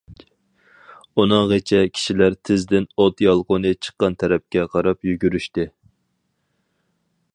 ئۇنىڭغىچە كىشىلەر تېزدىن ئوت يالقۇنى چىققان تەرەپكە قاراپ يۈگۈرۈشتى.